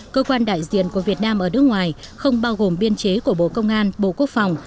cơ quan đại diện của việt nam ở nước ngoài không bao gồm biên chế của bộ công an bộ quốc phòng